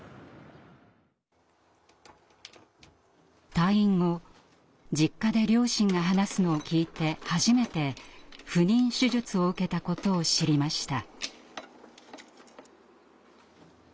退院後実家で両親が話すのを聞いて初めて不妊手術を受けたことを知りました。